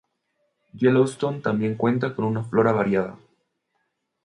Yellowstone también cuenta con una flora variada.